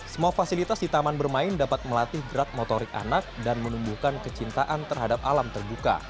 semua fasilitas di taman bermain dapat melatih gerak motorik anak dan menumbuhkan kecintaan terhadap alam terbuka